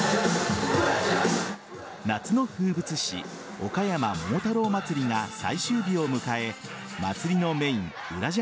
夏の風物詩おかやま桃太郎まつりが最終日を迎え祭りのメインうらじゃ